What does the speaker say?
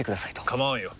構わんよ。